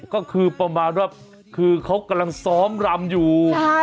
ก็คือประมาณว่าคือเขากำลังซ้อมรำอยู่